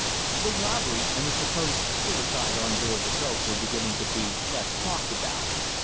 The robbery and the supposed suicide on board the boat were beginning to be less talked about.